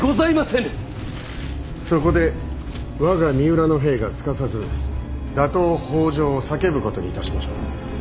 そこで我が三浦の兵がすかさず打倒北条を叫ぶことにいたしましょう。